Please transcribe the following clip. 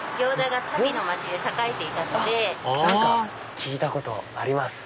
聞いたことあります